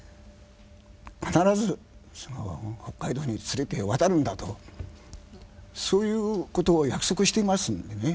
必ず北海道に連れて渡るんだとそういうことを約束していますんでね。